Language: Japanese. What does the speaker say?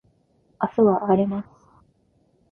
明日は荒れます